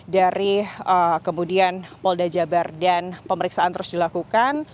dari kemudian polda jabar dan pemeriksaan terus dilakukan